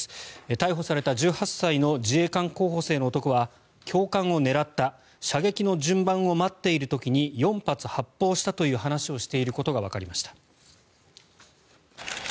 逮捕された１８歳の自衛官候補生の男は教官を狙った射撃の順番を待っている時に４発発砲したという話をしていることがわかりました。